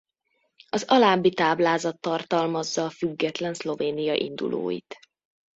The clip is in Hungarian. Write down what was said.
Az alábbi táblázat tartalmazza a független Szlovénia indulóit.